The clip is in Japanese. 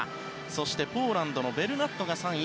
そしてポーランドのベルナットが３位。